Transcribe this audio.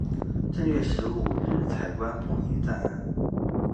正月十五日彩棺奉移暂安。